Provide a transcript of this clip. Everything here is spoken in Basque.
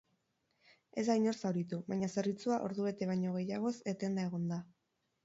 Ez da inor zauritu, baina zerbitzua ordubete baino gehiagoz etenda egon da.